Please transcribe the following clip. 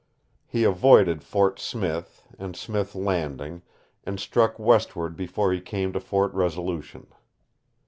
He avoided Fort Smith and Smith Landing and struck westward before he came to Fort Resolution.